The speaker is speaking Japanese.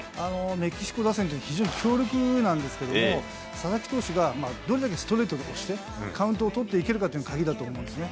メキシコ打線って非常に強力なんですけども、佐々木投手がどれだけストレートで押して、カウントを取っていけるかというのが鍵だと思うんですね。